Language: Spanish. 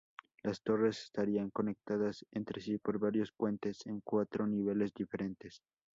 Las torres estarían conectadas entre sí por varios puentes en cuatro niveles diferentes.